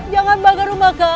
jangan bakar rumah kami